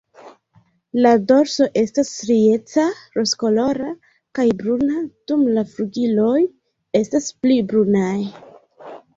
La dorso estas strieca rozkolora kaj bruna, dum la flugiloj estas pli brunaj.